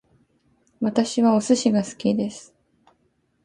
私はお寿司が好きです